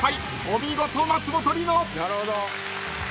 ［お見事松本里乃！］